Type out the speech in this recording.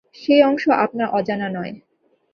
সেই অংশ আপনার অজানা নয়।